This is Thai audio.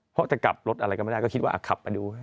เพราะจะกลับรถอะไรก็ไม่ได้ก็คิดว่าขับมาดูให้